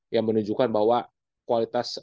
yang menunjukkan bahwa kualitas